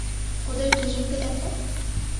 ওদের দুজনকে দেখো।